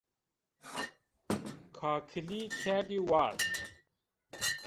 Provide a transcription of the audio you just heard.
Kakilî kerdî war